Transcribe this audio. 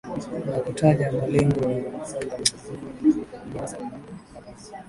na kutaja malengo na viwango vya kitaifa na kuchunguza ufanisi wa